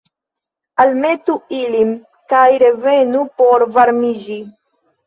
Almetu ilin, kaj revenu por varmiĝi.